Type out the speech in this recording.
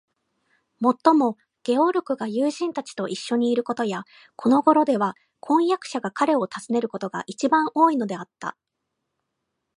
もっとも、ゲオルクが友人たちといっしょにいることや、このごろでは婚約者が彼を訪ねることが、いちばん多いのではあった。